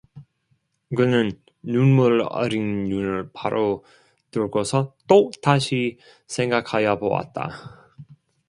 그는 눈물 어린 눈을 바로 들고서 또다시 생각하여 보았다.